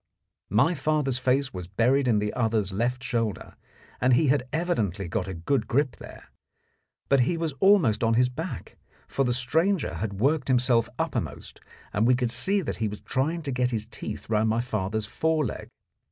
My father's face was buried in the other's left shoulder, and he had evidently got a good grip there; but he was almost on his back, for the stranger had worked himself uppermost, and we could see that he was trying to get his teeth round my father's fore leg.